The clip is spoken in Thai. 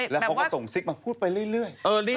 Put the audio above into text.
แล้วเขาก็ส่งซิกมาพูดไปเรื่อย